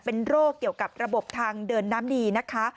เป็นโรคเกี่ยวกับระบบทางเดินน้ำดีนะคะ